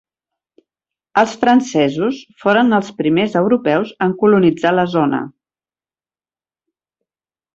Els francesos foren els primers europeus en colonitzar la zona.